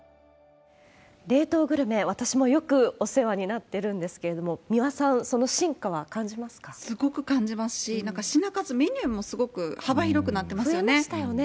冷凍グルメ、私もよくお世話になってるんですけれども、三輪さん、すごく感じますし、なんか品数、メニューもすごく幅広くなってますよね。